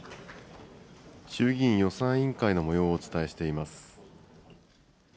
衆議院予算委員会のもようをお伝えしています。